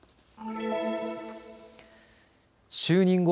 就任後